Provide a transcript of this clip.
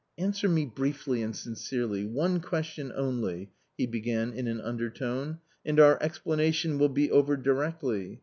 "Answer me briefly and sincerely, one question only," he began in an undertone, "and our explanation will be over directly.